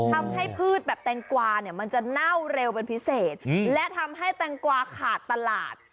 พืชแบบแตงกวาเนี่ยมันจะเน่าเร็วเป็นพิเศษและทำให้แตงกวาขาดตลาด